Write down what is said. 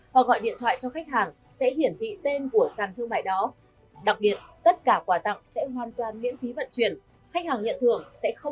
hoặc gọi điện thoại cho khách hàng sẽ hiển thị tên của sàn thương mại đó